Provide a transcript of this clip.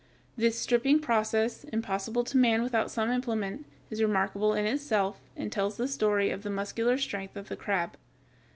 This stripping process, impossible to man without some implement, is remarkable in itself, and tells the story of the muscular strength of the crab.